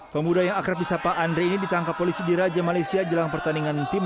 pemuda yang akrab bisa pak andre ini ditangkap polisi diraja malaysia jelang pertandingan tim